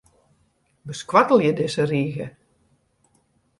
Beskoattelje dizze rige.